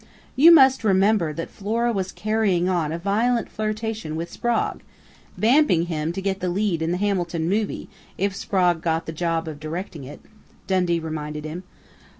"You must remember that Flora was carrying on a violent flirtation with Sprague 'vamping' him to get the lead in the Hamilton movie, if Sprague got the job of directing it," Dundee reminded him.